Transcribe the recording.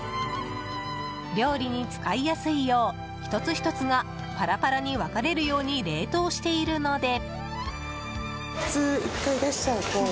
料理に使いやすいよう１つ１つがパラパラに分かれるように冷凍しているので。